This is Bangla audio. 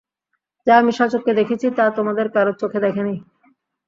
যা আমি স্বচক্ষে দেখেছি, তা তোমাদের কারো চোখ দেখেনি।